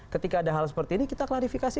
ketika ada hal seperti ini kita klarifikasi